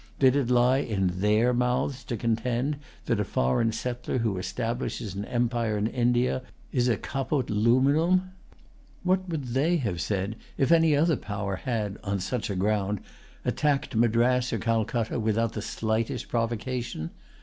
Did it lie in their mouths to contend that a foreign settler who establishes an empire in India is a caput lupinum? What would they have said if any other power had, on such a ground, attacked Madras or Calcutta, without the slightest provocation?